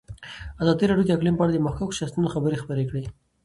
ازادي راډیو د اقلیم په اړه د مخکښو شخصیتونو خبرې خپرې کړي.